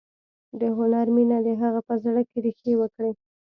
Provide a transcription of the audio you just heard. د هنر مینه د هغه په زړه کې ریښې وکړې